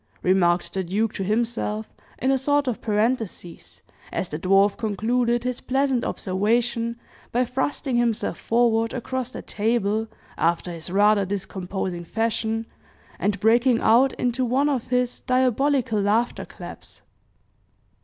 remarked the duke to himself, in a sort of parenthesis, as the dwarf concluded his pleasant observation by thrusting himself forward across the table, after his rather discomposing fashion, and breaking out into one of his diabolical laughter claps.